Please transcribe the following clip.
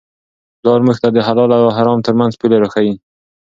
پلار موږ ته د حلال او حرام ترمنځ پولې را ښيي.